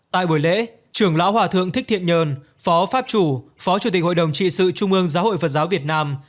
tại buổi lễ trưởng lão hòa thượng thích thiện nhờn phó pháp chủ phó chủ tịch hội đồng trị sự trung ương giáo hội phật giáo việt nam